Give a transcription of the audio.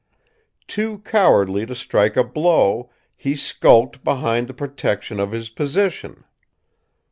"Too cowardly to strike a blow, he skulked behind the protection of his position.